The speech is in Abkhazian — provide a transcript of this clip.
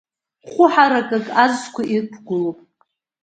Хәы ҳаракык азқәа иқәгылоуп.